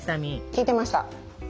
聞いてました。